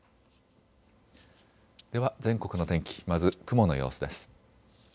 では全国の天気、まず雲の様子です。